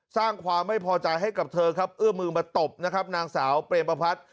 สร้างความไม่พอใจให้กับเธอครับเอื้อมือมาตบนะครับนางสาวเปรมพัฒน์